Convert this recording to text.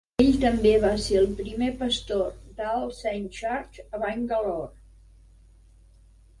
Ell també va ser el primer pastor de All Saints Church a Bangalore.